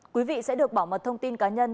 quý vị sẽ được bảo mật thông tin cá nhân